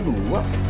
lengkaf avk gak